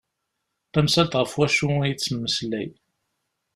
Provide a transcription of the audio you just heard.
Tamsalt ɣef wacu i d-temmeslay.